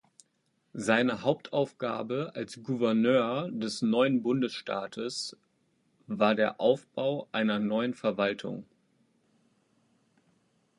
Seine Hauptaufgabe als Gouverneur des neuen Bundesstaates war der Aufbau einer neuen Verwaltung.